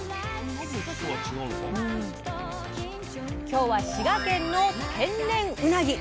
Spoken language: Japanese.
今日は滋賀県の天然うなぎ。